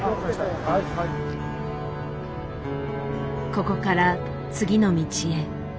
ここから次の道へ。